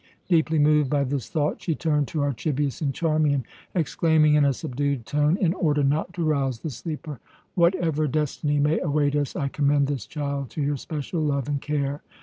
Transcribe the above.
Deeply moved by this thought, she turned to Archibius and Charmian, exclaiming in a subdued tone, in order not to rouse the sleeper: "Whatever destiny may await us, I commend this child to your special love and care.